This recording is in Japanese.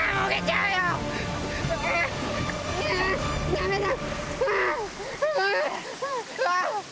ダメだ！